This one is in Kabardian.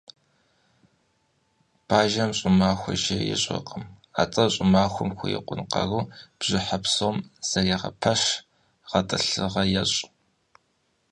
Бажэм щӏымахуэ жей ищӏыркъым, атӀэ щӏымахуэм хурикъун къару бжьыхьэ псом зэрегъэпэщ, гъэтӏылъыгъэ ещӏ.